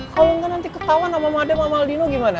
kalo enggak nanti ketauan sama madem sama aldino gimana